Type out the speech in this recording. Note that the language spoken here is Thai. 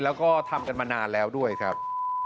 แล้วก็ทำกันมานานแล้วด้วยครับ